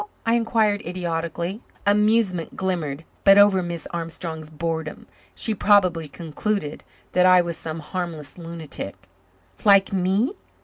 I inquired idiotically. Amusement glimmered but over Miss Armstrong's boredom. She probably concluded that I was some harmless lunatic. "Like me?